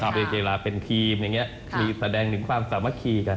เชียร์กีฬาเป็นทีมอย่างนี้มีแสดงถึงความสามารถคีย์กัน